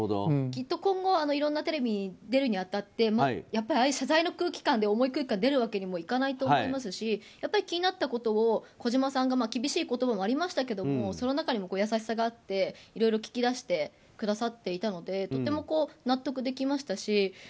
きっと今後いろんなテレビ出るに当たってやっぱり謝罪の空気感で重い空気感で出るわけにもいかないと思いますし気になったことを、児嶋さんが厳しい言葉もありましたけどその中にも優しさがあっていろいろ聞き出してくださっていたのでとても納得できましたし。